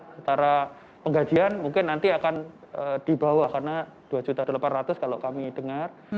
setara penggajian mungkin nanti akan di bawah karena rp dua delapan ratus kalau kami dengar